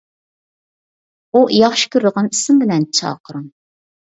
ئۇ ياخشى كۆرىدىغان ئىسىم بىلەن چاقىرىڭ.